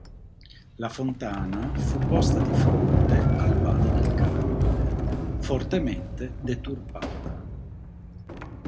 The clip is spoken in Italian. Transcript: La fontana fu posta di fronte al vado del Carmine, fortemente deturpata.